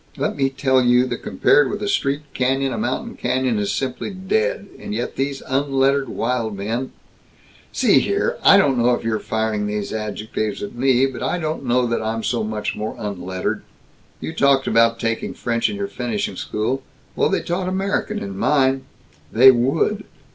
Let me tell you that compared with a street canyon, a mountain canyon is simply dead, and yet these unlettered wild men " "See here! I don't know if you're firing these adjectives at me, but I don't know that I'm so much more unlettered You talked about taking French in your finishing school. Well, they taught American in mine!" "They would!"